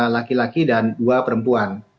laki laki dan dua perempuan